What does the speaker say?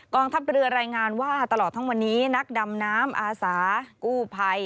ทัพเรือรายงานว่าตลอดทั้งวันนี้นักดำน้ำอาสากู้ภัย